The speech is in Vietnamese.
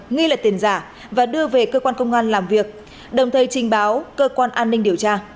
nghi là tiền giả và đưa về cơ quan công an làm việc đồng thời trình báo cơ quan an ninh điều tra